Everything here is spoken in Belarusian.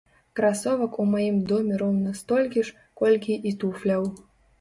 Красовак у маім доме роўна столькі ж, колькі і туфляў!